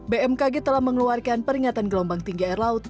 bmkg telah mengeluarkan peringatan gelombang tinggi air laut